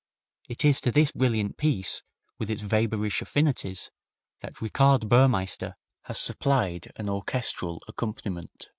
It is to this brilliant piece, with its Weber ish affinities, that Richard Burmeister has supplied an orchestral accompaniment.